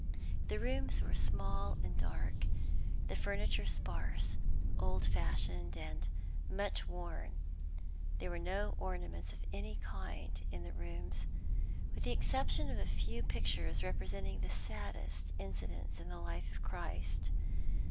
The rooms were small and dark; the furniture sparse, old fashioned, and much worn; there were no ornaments in any of the rooms, with the exception of a few pictures representing the saddest incidents in the life of Christ.